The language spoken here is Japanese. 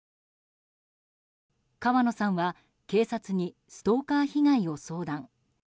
川野さんは、警察にストーカー被害を相談。